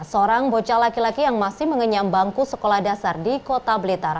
seorang bocah laki laki yang masih mengenyam bangku sekolah dasar di kota blitar